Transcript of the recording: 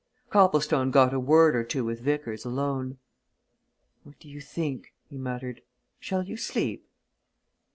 Copplestone got a word or two with Vickers alone. "What do you think?" he muttered. "Shall you sleep?"